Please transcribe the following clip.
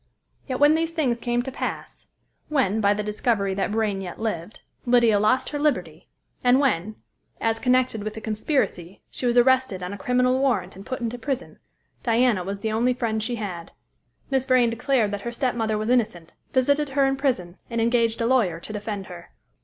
Yet when these things came to pass; when, by the discovery that Vrain yet lived, Lydia lost her liberty; and when, as connected with the conspiracy, she was arrested on a criminal warrant and put into prison, Diana was the only friend she had. Miss Vrain declared that her stepmother was innocent, visited her in prison, and engaged a lawyer to defend her.